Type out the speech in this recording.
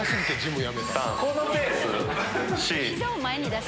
このペース